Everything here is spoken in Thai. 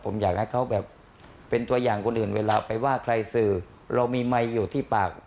ผมอยากให้เขาแบบเป็นตัวอย่างคนอื่นเวลาไปว่าใครสื่อเรามีไมค์อยู่ที่ปาก